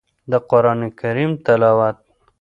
د قران کريم تلاوت